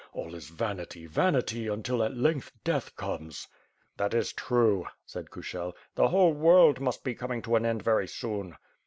All is vanity, vanity until at length death comes." "That is true," said Kushel. "The whole world must be coming to an end very soon."